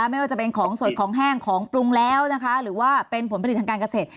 ไม่ว่าจะเป็นของสดของแห้งของปรุงแล้วนะคะหรือว่าเป็นผลผลิตทางการเกษตร